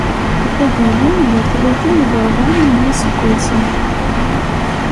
Ad ilin gar tlatin d rebεin n yiseggasen.